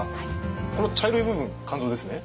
この茶色い部分肝臓ですね？